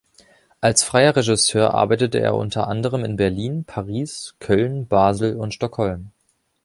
Als freier Regisseur arbeitete er unter anderem in Berlin, Paris, Köln, Basel und Stockholm.